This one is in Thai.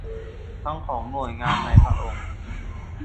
ทั้งของหน่วยงานในพระองค์